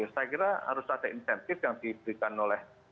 saya kira harus ada insentif yang diberikan oleh